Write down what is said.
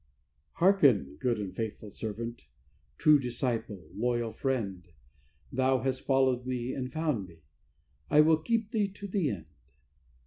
"Hearken, good and faithful servant, true disciple, loyal friend! Thou hast followed me and found me; I will keep thee to the end.